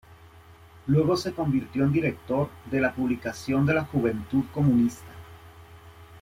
Luego se convirtió en director de la publicación de la Juventud Comunista.